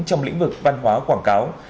trong lĩnh vực văn hóa quảng cáo